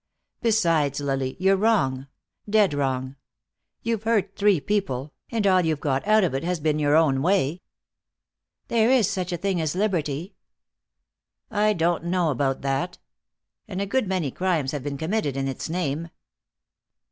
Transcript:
"Besides, Lily, you're wrong. Dead wrong. You've hurt three people, and all you've got out of it has been your own way." "There is such a thing as liberty." "I don't know about that. And a good many crimes have been committed in its name."